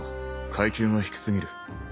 階級が低すぎる。